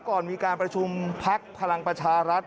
ก่อนมีการประชุมพักพลังประชารัฐ